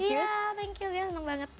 iya thank you ghea senang banget